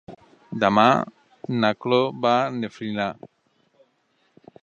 Demà na Cloè va a Beniflà.